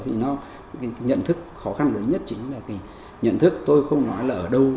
thì nó cái nhận thức khó khăn lớn nhất chính là cái nhận thức tôi không nói là ở đâu